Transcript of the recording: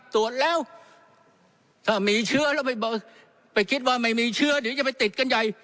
ตรวจแล้วถ้ามีเชื้อแล้วไปคิดว่าไม่มีเชื้อเดี๋ยวจะไปติดกันใหญ่